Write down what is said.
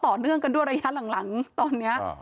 ต่อเนื่องกันด้วยระยะหลังตอนนี้